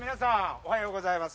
おはようございます。